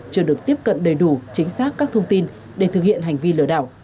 chưa được tiếp cận đầy đủ chính xác các thông tin để thực hiện hành vi lừa đảo